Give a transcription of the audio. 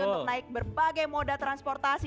untuk naik berbagai moda transportasi